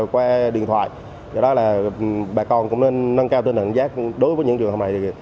qua điện thoại bà con cũng nên nâng cao tên đoạn giác đối với những trường hợp này